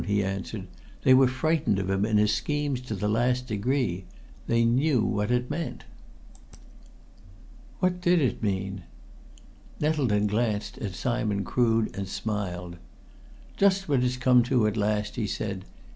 he answered. "They were frightened of him and his schemes to the last degree. They knew what it meant." "What did it mean?" Nettleton glanced at Simon Crood and smiled. "Just what it's come to, at last," he said.